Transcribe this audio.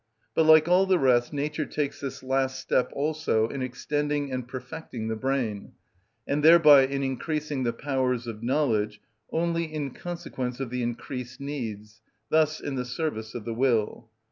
But, like all the rest, nature takes this last step also in extending and perfecting the brain, and thereby in increasing the powers of knowledge, only in consequence of the increased needs, thus in the service of the will.